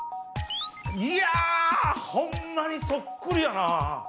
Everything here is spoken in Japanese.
いやホンマにそっくりやなぁ。